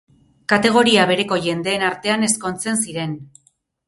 Kategoria bereko jendeen artean ezkontzen ziren!